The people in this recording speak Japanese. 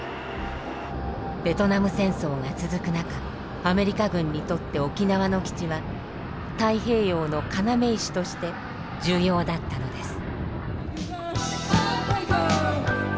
ベトナム戦争が続く中アメリカ軍にとって沖縄の基地は太平洋の要石として重要だったのです。